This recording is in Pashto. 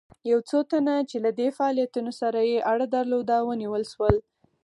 یو څو تنه چې له دې فعالیتونو سره یې اړه درلوده ونیول شول.